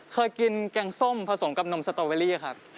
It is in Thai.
เคยกินแกงส้มผสมกับนมสตอเวอรี่ครับ